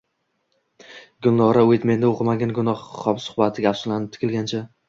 Gulnora Uitmenni oʼqimagan gumroh hamsuhbatiga afsuslanib tikilgancha